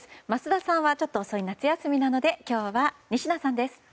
桝田さんはちょっと遅い夏休みなので今日は仁科さんです。